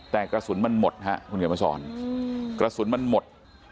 แต่กระสุนมันหมดฮะคุณเขียนมาสอนกระสุนมันหมด